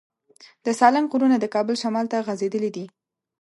د سالنګ غرونه د کابل شمال ته غځېدلي دي.